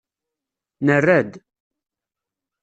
Nerra-d.